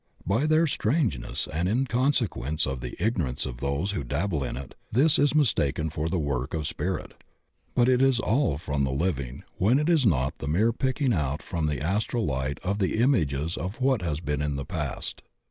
By their strangeness, and in consequence of the ignorance of those who dabble in it, this is mistaken for the work of spirit, but it is all from the living when it is not the mere picking out from the astral Ught of the images of what has been in the past.